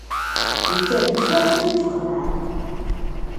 一阵车声传来